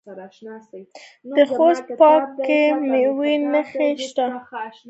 د خوست په باک کې د مسو نښې شته.